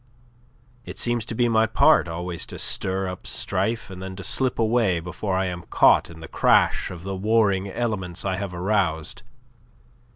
It seems to be my part always to stir up strife and then to slip away before I am caught in the crash of the warring elements I have aroused.